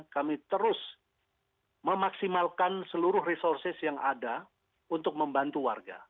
kami terus memaksimalkan seluruh resources yang ada untuk membantu warga